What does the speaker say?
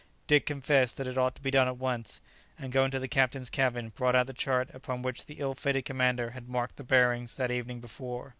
Dick confessed that it ought to be done at once, and going to the captain's cabin brought out the chart upon which the ill fated commander had marked the bearings the evening before.